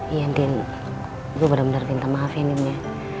iya din gue bener bener minta maaf ya din ya